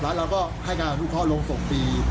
แล้วเราก็ให้การรู้ข้อโรงศพฟรี